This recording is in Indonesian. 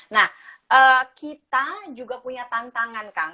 nah kita juga punya tantangan kang